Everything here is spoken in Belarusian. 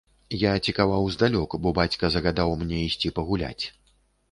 Я цікаваў здалёк, бо бацька загадаў мне ісці пагуляць.